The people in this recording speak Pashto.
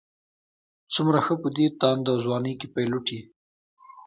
څومره ښه په دې تانده ځوانۍ کې پيلوټ یې.